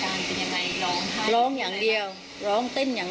แล้วก็ช่วยกันนำนายธีรวรรษส่งโรงพยาบาล